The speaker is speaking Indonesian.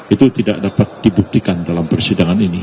itu tidak dapat dibuktikan dalam persidangan ini